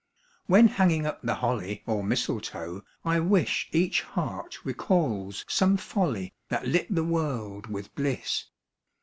When hanging up the holly or mistletoe, I wis Each heart recalls some folly that lit the world with bliss.